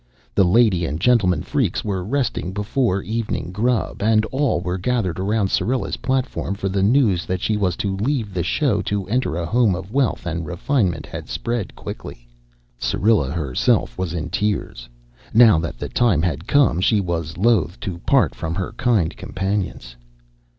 The lady and gentlemen freaks were resting before evening grub, and all were gathered around Syrilla's platform, for the news that she was to leave the show to enter a home of wealth and refinement had spread quickly. Syrilla herself was in tears. Now that the time had come she was loath to part from her kind companions.